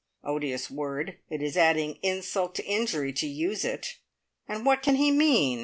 Odious word. It is adding insult to injury to use it. And what can he mean?